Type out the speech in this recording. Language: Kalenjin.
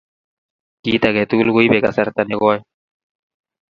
Kit age tugul koipei kasarta nekoi